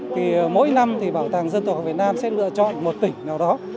thì mỗi năm thì bảo tàng dân tộc việt nam sẽ lựa chọn một tỉnh nào đó